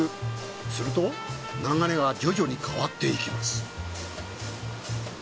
すると流れが徐々に変わっていきます。